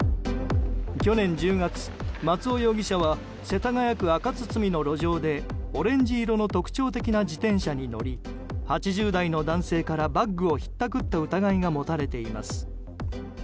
去年１０月、松尾容疑者は世田谷区赤堤の路上でオレンジ色の特徴的な自転車に乗り８０代の男性からバッグをひったくった疑いが持たれています。